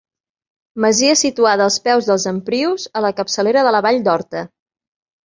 Masia situada als peus dels Emprius, a la capçalera de la vall d'Horta.